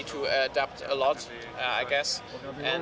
jadi saya harus beradaptasi banyak saya rasa